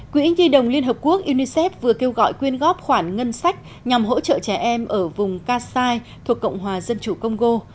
quỹ ghi đồng liên hợp quốc unicef vừa kêu gọi quyên góp khoản ngân sách nhằm hỗ trợ trẻ em ở vùng kassai thuộc cộng hòa dân chủ congo